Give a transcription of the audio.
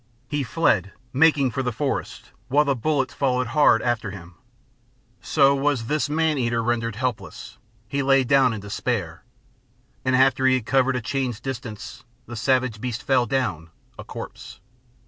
He fled, making for the forest, while the bullets followed hard after him; So was this man eater rendered helpless; he lay down in despair, And after he had covered a chain's distance, the savage beast fell down, a corpse.